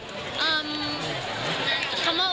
ซักการนักแก้วก็แบบพูดมาไม่เพาะอะไรเลย